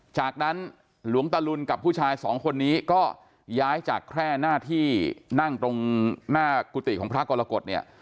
จากนั้นหลวงตะลุนกับผู้ชายสองคนนี้ก็ย้ายจากแค่หน้าที่นั่งตรงหน้ากุฏิของพระกรกฎเนี่ย